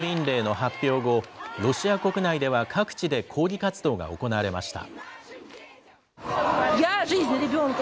動員令の発表後、ロシア国内では各地で抗議活動が行われました。